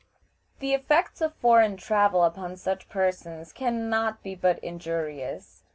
The effects of foreign travel upon such persons can not but be injurious.